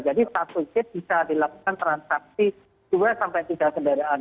jadi satu kit bisa dilakukan transaksi dua sampai tiga kendaraan